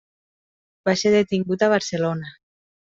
Va ser detingut a Barcelona.